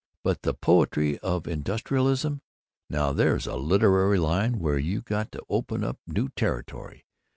But the poetry of industrialism, now there's a literary line where you got to open up new territory.